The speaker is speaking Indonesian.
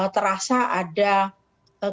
terasa ada kenaikan